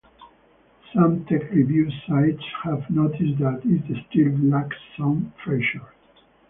Some tech review sites have noticed that it still lacks some features.